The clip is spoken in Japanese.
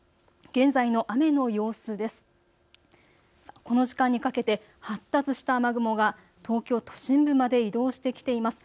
現在の雨の様子です。